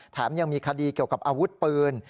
ยังมีคดีเกี่ยวกับอาวุธปืน